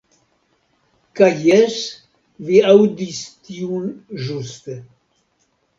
Kaj jes vi aŭdis tiun ĵuste.